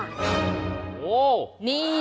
โหนี่